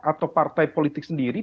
atau partai politik sendiri